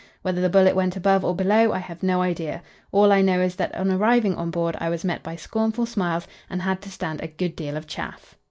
Whether the bullet went above or below, I have no idea. All I know is, that on arriving on board I was met by scornful smiles and had to stand a good deal of chaff.